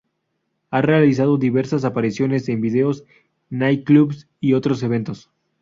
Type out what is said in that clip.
Ha realizado diversas apariciones en videos, night clubs y otros eventos.